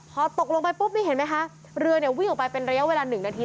พอตกลงไปเพราะเห็นมั้ยคะเรือวิ่งไปเป็นระยะเวลา๑นาที